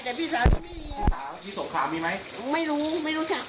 แต่พี่สาวก็ไม่มีพี่สาวที่สงขามีไหมไม่รู้ไม่รู้จัก